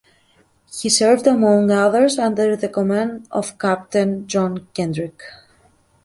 He served, among others, under the command of captain John Kendrick.